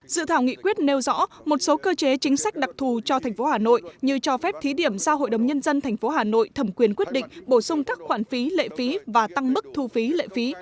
dự thảo nghị quyết nêu rõ một số cơ chế chính sách đặc thù cho thành phố hà nội như cho phép thí điểm giao hội đồng nhân dân tp hà nội thẩm quyền quyết định bổ sung các khoản phí lệ phí và tăng mức thu phí lệ phí